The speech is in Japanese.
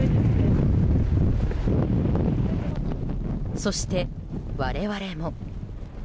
そして、我々も。